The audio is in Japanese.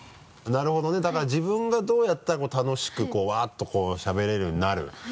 なるほどねだから自分がどうやったら楽しくわっとこうしゃべれるようになる。